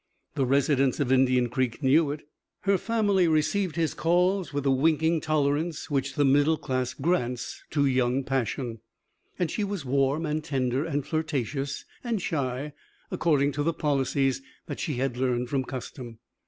The residents of Indian Creek knew it. Her family received his calls with the winking tolerance which the middle class grants to young passion. And she was warm and tender and flirtatious and shy according to the policies that she had learned from custom.